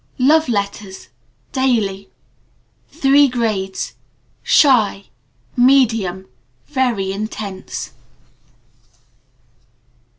Love Letters. (Three grades: Shy. Daily. Medium. Very Intense.)